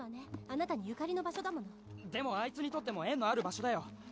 あなたにゆかりの場所だものでもあいつにとっても縁のある場所だよ